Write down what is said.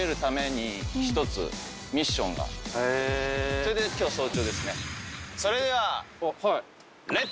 それで今日早朝ですね。